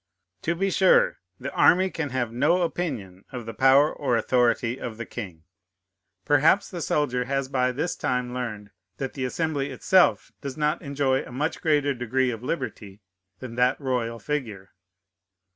To be sure, the army can have no opinion of the power or authority of the king. Perhaps the soldier has by this time learned, that the Assembly itself does not enjoy a much greater degree of liberty than that royal figure.